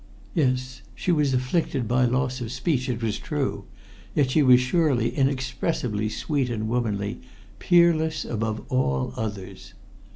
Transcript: Yes; she was afflicted by loss of speech, it was true, yet she was surely inexpressibly sweet and womanly, peerless above all others.